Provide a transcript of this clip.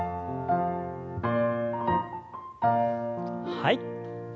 はい。